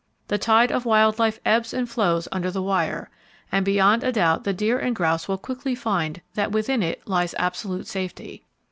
The tide of wild life ebbs and flows under the wire, and beyond a doubt the deer and grouse will quickly find that within it lies absolute safety.